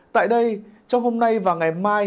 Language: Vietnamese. tại đây trong hôm nay và ngày mai